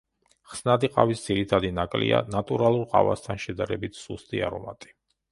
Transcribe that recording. ხსნადი ყავის ძირითადი ნაკლია ნატურალურ ყავასთან შედარებით სუსტი არომატი.